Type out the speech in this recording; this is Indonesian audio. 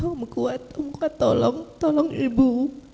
om kuat om kuat tolong tolong ibu